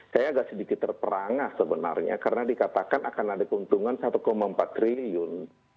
saya agak sedikit terperangah sebenarnya karena dikatakan akan ada keuntungan satu empat triliun